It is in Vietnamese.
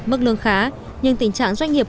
mức lương khá nhưng tình trạng doanh nghiệp